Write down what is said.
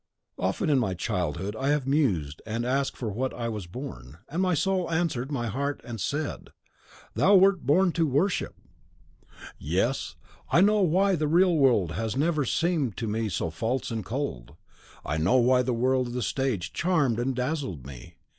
"Often in my childhood I have mused and asked for what I was born; and my soul answered my heart and said, 'THOU WERT BORN TO WORSHIP!' Yes; I know why the real world has ever seemed to me so false and cold. I know why the world of the stage charmed and dazzled me.